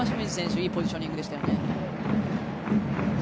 いいポジションでしたよね。